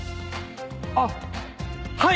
あっはい！